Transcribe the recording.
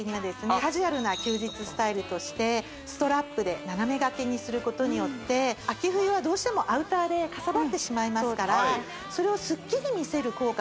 カジュアルな休日スタイルとしてストラップで斜めがけにすることによって秋冬はどうしてもアウターでかさばってしまいますからそれをスッキリ見せる効果